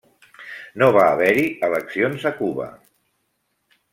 No va haver-hi eleccions a Cuba.